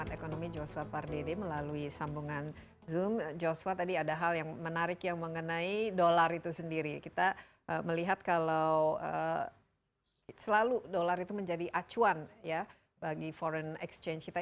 terima kasih mas diri kita melihat kalau selalu dolar itu menjadi acuan ya bagi foreign exchange kita